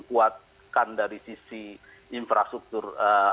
kuatkan dari sisi infrastruktur